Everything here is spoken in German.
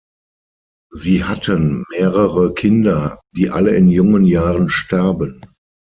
Sie hatten mehrere Kinder, die alle in jungen Jahren starben.